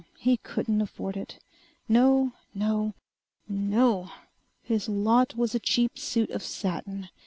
He couldn't afford it! No! No! NO! His lot was a cheap suit of satin!